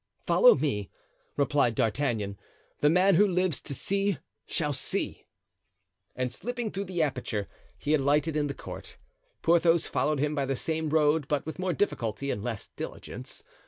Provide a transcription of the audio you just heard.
"Follow me," replied D'Artagnan. "The man who lives to see shall see." And slipping through the aperture, he alighted in the court. Porthos followed him by the same road, but with more difficulty and less diligence.